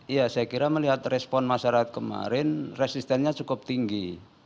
ya saya kira melihat respon masyarakat kemarin resistennya cukup tinggi